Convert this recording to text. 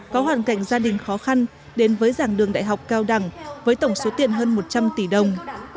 có hoàn cảnh gia đình khó khăn đến với giảng đường đại học cao đẳng với tổng số tiền hơn một trăm linh tỷ đồng